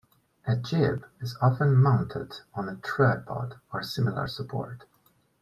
A jib is often mounted on a tripod or similar support.